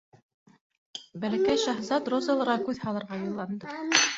Бәлкәй шаһзат розаларға күҙ һалырға юлланды.